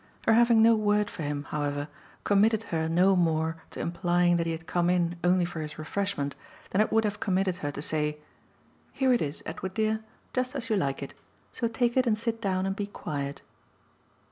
Her having no word for him, however, committed her no more to implying that he had come in only for his refreshment than it would have committed her to say: "Here it is, Edward dear just as you like it; so take it and sit down and be quiet."